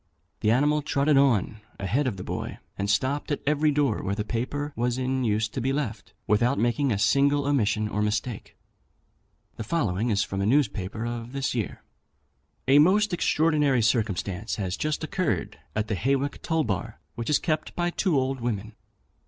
The animal trotted on a head of the boy, and stopped at every door where the paper was in use to be left, without making a single omission or mistake. The following is from a newspaper of this year: "A most extraordinary circumstance has just occurred at the Hawick toll bar, which is kept by two old women.